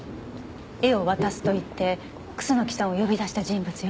絵を渡すと言って楠木さんを呼び出した人物よ。